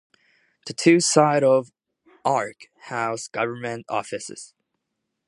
The two sides of the "Arche" house government offices.